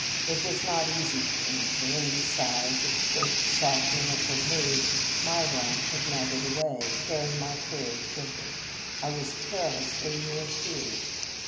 It was not easy to answer, and besides, at the first softening of her mood, my wrath had melted away, carrying my courage with it. I was perilously near tears.